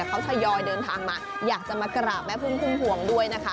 เขาทยอยเดินทางมาอยากจะมากราบแม่พึ่งพุ่มพวงด้วยนะคะ